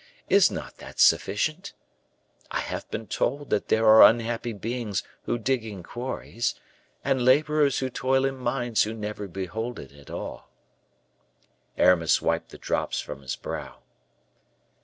Is not that sufficient? I have been told that there are unhappy beings who dig in quarries, and laborers who toil in mines, who never behold it at all." Aramis wiped the drops from his brow.